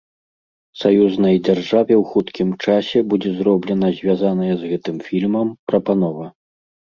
Саюзнай дзяржаве ў хуткім часе будзе зроблена звязаная з гэтым фільмам прапанова.